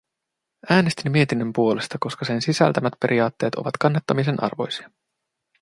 Äänestin mietinnön puolesta, koska sen sisältämät periaatteet ovat kannattamisen arvoisia.